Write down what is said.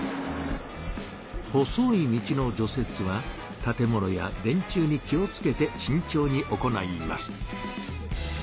細い道の除雪は建物や電柱に気をつけてしんちょうに行います。